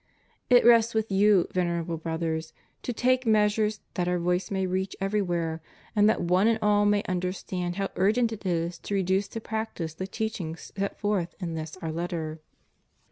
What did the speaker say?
It rests with you. Venerable Brothers, to take measures that Our voice may reach everywhere, and that one and all may understand how urgent it is to reduce to practice the teachings set forth in this Our Letter.